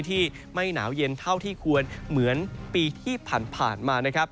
ที่ไม่หนาวเย็นเท่าที่ควรเหมือนปีที่ผ่านมานะครับ